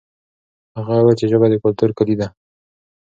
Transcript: هغه وویل چې ژبه د کلتور کلي ده.